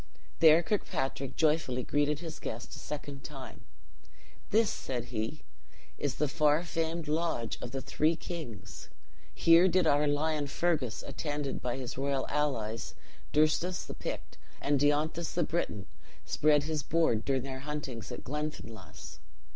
There Kirkpatrick joyfully greeted his guest a second time: "This," said he, "is the far famed lodge of the three kings: here did our lion, Fergus, attended by his royal allies, Durstus the Pict, and Dionethus the Briton, spread his board during their huntings in Glenfinlass!